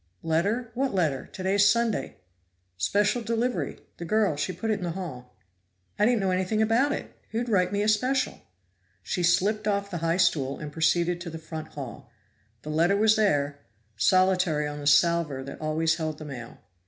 "Letter? What letter? Today's Sunday." "Special delivery. The girl, she put it in the hall." "I didn't know anything about it. Who'd write me a special?" She slipped off the high stool and proceeded to the front hall. The letter was there, solitary on the salver that always held the mail.